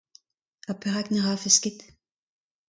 Ha perak ne rafes ket ?